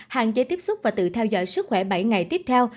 hạn chế tiếp xúc và tự theo dõi sức khỏe bảy ngày tiếp theo